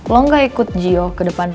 lo gak ikut gio ke depan dong icu